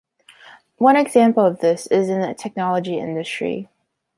One example of this is in the technology industry.